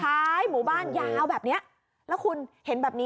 แล้วคุณเห็นแบบนี้